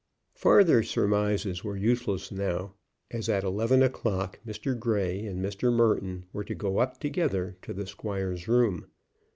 Farther surmises were useless now, as at eleven o'clock Mr. Grey and Mr. Merton were to go up together to the squire's room.